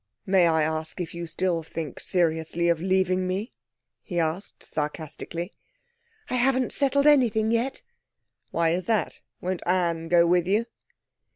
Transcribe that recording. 'May I ask if you still think seriously of leaving me?' he asked sarcastically. 'I haven't settled anything yet.' 'Why is that? Won't Anne go with you?'